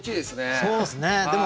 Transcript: そうですね。